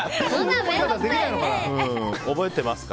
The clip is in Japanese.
覚えてますか？